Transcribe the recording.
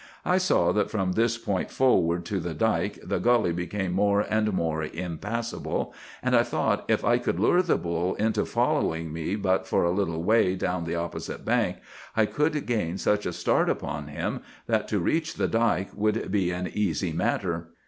I saw that from this point forward to the dike the gully became more and more impassable, and I thought if I could lure the bull into following me but for a little way down the opposite bank, I could gain such a start upon him that to reach the dike would be an easy matter.